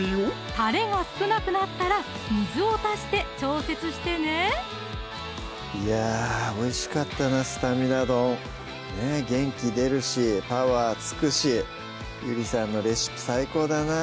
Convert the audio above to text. タレが少なくなったら水を足して調節してねいやおいしかったな「スタミナ丼」元気出るしパワーつくしゆりさんのレシピ最高だな